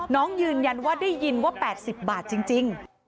น้องยืนยันว่าได้ยินว่า๘๐บาทจริง